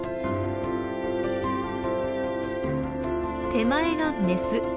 手前がメス。